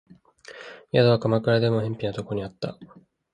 宿は鎌倉でも辺鄙なところにあった